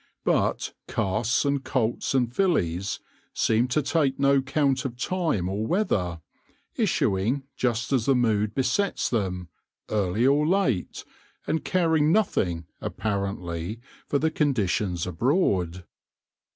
But casts and colts and fillies seem to take no count of time or weather, issuing just as the mood besets them, early or late, and caring nothing, apparently, for the conditions abroad.